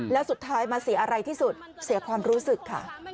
แล้วสุดท้ายมาเสียอะไรที่สุดเสียความรู้สึกค่ะ